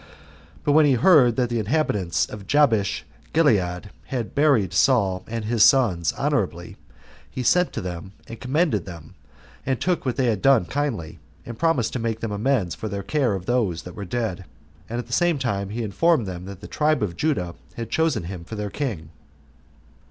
But when he heard that the inhabitants of Jabesh gilead had buried Saul and his sons [honorably], he sent to them and commended them, and took what they had done kindly, and promised to make them amends for their care of those that were dead; and at the same time he informed them that the tribe of Judah had chosen him for their king.